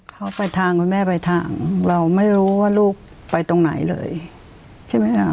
เขาไปทางคุณแม่ไปทางเราไม่รู้ว่าลูกไปตรงไหนเลยใช่ไหมคะ